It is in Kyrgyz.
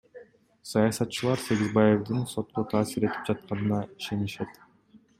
Саясатчылар Сегизбаевдин сотко таасир этип жатканына ишенишет.